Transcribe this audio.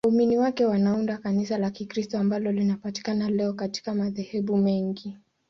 Waumini wake wanaunda Kanisa la Kikristo ambalo linapatikana leo katika madhehebu mengi.